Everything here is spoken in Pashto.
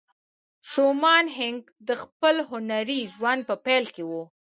شومان هينک د خپل هنري ژوند په پيل کې وه.